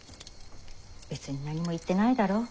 別に何も言ってないだろ？